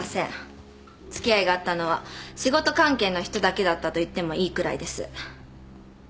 付き合いがあったのは仕事関係の人だけだったと言ってもいいくらいです。